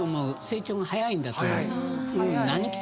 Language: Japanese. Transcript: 成長が早いんだと思う。